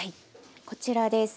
こちらです。